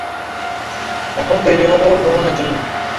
এখন তৈরি হব ভ্রমণের জন্যে।